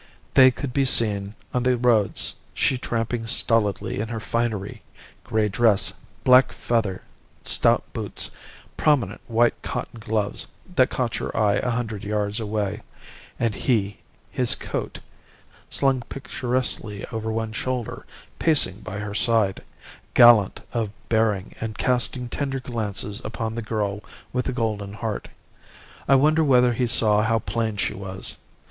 They could be seen on the roads, she tramping stolidly in her finery grey dress, black feather, stout boots, prominent white cotton gloves that caught your eye a hundred yards away; and he, his coat slung picturesquely over one shoulder, pacing by her side, gallant of bearing and casting tender glances upon the girl with the golden heart. I wonder whether he saw how plain she was.